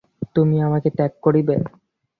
তুমি আমাকে ত্যাগ করিবে?